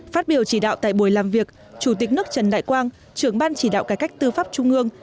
phát biểu chỉ đạo tại buổi làm việc chủ tịch nước trần đại quang trưởng ban chỉ đạo cải cách tư pháp trung ương